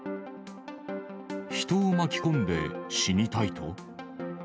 人を巻き込んで死にたいと？